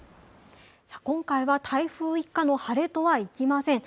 今回は台風一過の晴れとはいきません。